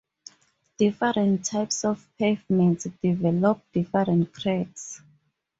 Different types of pavements develop different cracks.